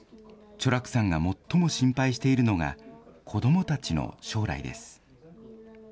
チョラクさんが最も心配しているのが、子どもたちの将来です。